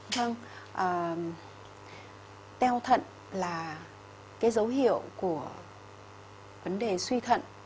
vâng teo thận là cái dấu hiệu của vấn đề suy thận